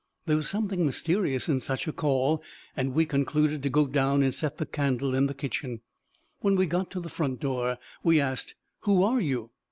There was something mysterious in such a call, and we concluded to go down and set the candle in the kitchen. When we got to the front door we asked, 'Who are you?'